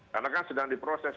karena kan sedang diproses